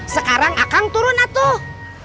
sekarang akang turun atuh